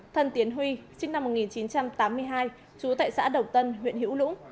thần tiến huy sinh năm một nghìn chín trăm tám mươi hai chú tại xã đồng tân huyện hiễu lũng